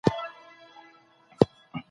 موږ له خپلو پخوانیو